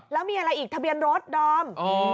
แล้วมีอะไรอีกทะเบียนรถดอม